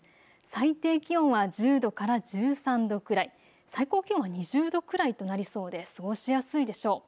最低気温は１０度から１３度くらい、最高気温２０度くらいとなりそうで過ごしやすいでしょう。